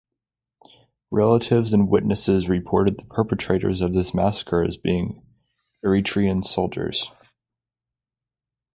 Relatives and witnesses reported the perpetrators of this massacre as being Eritrean soldiers.